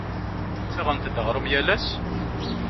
Ttaɣent-d aɣrum yal ass?